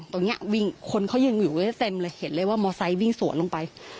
ตรงนี้วิ่งคนเขายืนอยู่ไว้เต็มเลยเห็นเลยว่ามอไซค์วิ่งสวนลงไป